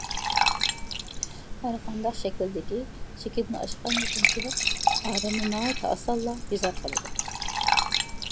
ھەرقانداق شەكىلدىكى چېكىدىن ئاشقان يېقىنچىلىق ئادەمنى ناھايىتى ئاسانلا بىزار قىلىدۇ.